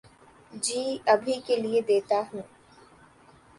جی ابھی کیئے دیتا ہو